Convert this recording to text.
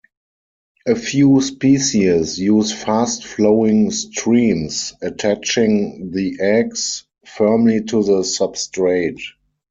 A few species use fast-flowing streams, attaching the eggs firmly to the substrate.